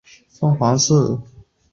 上洋大屋的历史年代为明代。